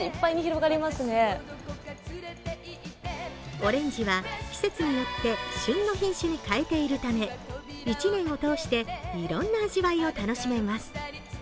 オレンジは季節によって旬の品種に変えているため１年を通していろんな味わいを楽しめます。